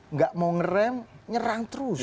nggak mau ngerem nyerang terus